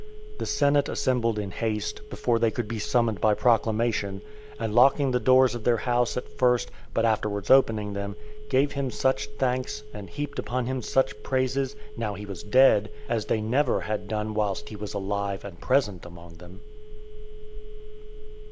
The senate assembled in haste, before they could be summoned by proclamation, and locking the doors of their house at first, but afterwards opening them, gave him such thanks, and heaped upon him such praises, now he was dead, as they never had done whilst he was alive and present amongst them.